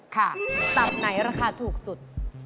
ตับไหนราคาถูกสุด